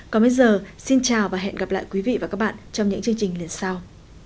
còn bây giờ xin chào và hẹn gặp lại quý vị và các bạn trong những chương trình lần sau